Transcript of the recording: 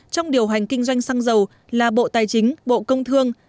trong điều hành kinh doanh xăng dầu là bộ tài chính bộ công thương